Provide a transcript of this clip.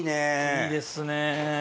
いいですね。